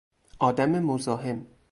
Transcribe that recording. آدم مزاحم